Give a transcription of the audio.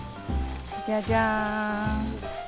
じゃじゃん！